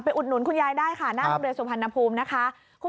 อุดหนุนคุณยายได้ค่ะหน้าโรงเรียนสุพรรณภูมินะคะ